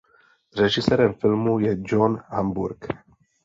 Režisérem filmu je John Hamburg.